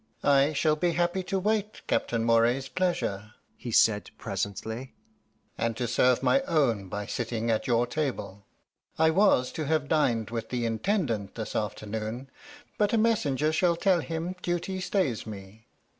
"I shall be happy to wait Captain Moray's pleasure," he said presently, "and to serve my own by sitting at your table. I was to have dined with the Intendant this afternoon, but a messenger shall tell him duty stays me....